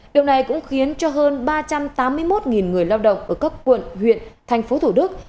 điều này cũng khiến cho hơn ba trăm tám mươi một người lao động ở các quận huyện thành phố thủ đức